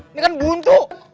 ini kan buntu